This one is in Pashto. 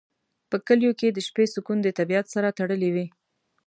په کلیو کې د شپې سکون د طبیعت سره تړلی وي.